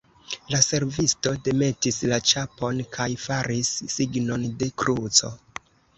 La servisto demetis la ĉapon kaj faris signon de kruco.